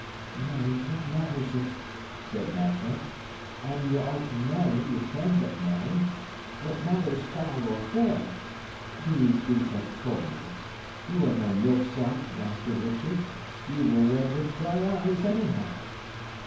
"Nay, what matters it?" said Matcham. "An y' are to marry, ye can but marry. What matters foul or fair? These be but toys. Y' are no milksop, Master Richard; ye will wed with dry eyes, anyhow."